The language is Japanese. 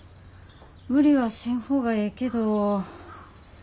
無理はせん方がええけど。